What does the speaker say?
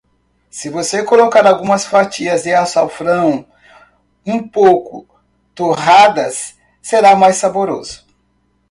Se você colocar algumas fatias de açafrão um pouco torradas, será mais saboroso.